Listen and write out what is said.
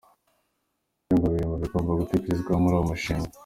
Nabyo ngo biri mu bigomba gutekerezwaho muri uwo mushinga.